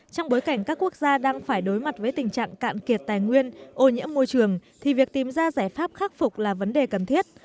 trong bối cảnh các quốc gia đang phải đối mặt với tình trạng cạn kiệt tài nguyên ô nhiễm môi trường thì việc tìm ra giải pháp khắc phục là vấn đề cần thiết